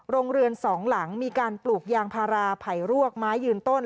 โรงเรือนสองหลังมีการปลูกยางพาราไผ่รวกไม้ยืนต้น